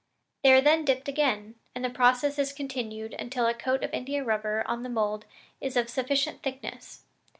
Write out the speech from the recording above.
They are then dipped again, and the process is continued until the coat of India rubber on the mould is of sufficient thickness.